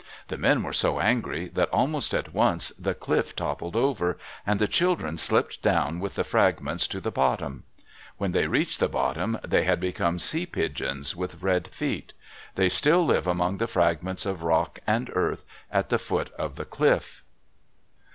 The men were so angry that almost at once the cliff toppled over, and the children slipped down with the fragments to the bottom. When they reached the bottom, they had become sea pigeons with red feet. They still live among the fragments of rock and earth at the foot of the cliff.